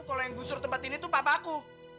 kalo yang busur tempat ini tuh papa aku